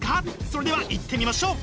それではいってみましょう！